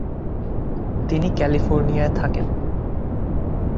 তিনি ক্যালিফোর্নিয়ায় থাকেন।